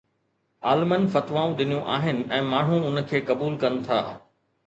عالمن فتوائون ڏنيون آهن ۽ ماڻهو ان کي قبول ڪن ٿا